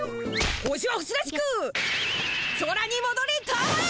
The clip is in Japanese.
星は星らしく空にもどりたまえ！